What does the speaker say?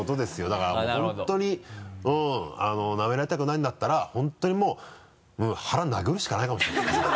だから本当になめられたくないんだったら本当にもう腹殴るしかないかもしれないねそれ。